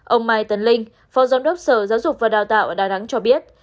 ông mai tấn linh phó giám đốc sở giáo dục và đào tạo ở đà nẵng cho biết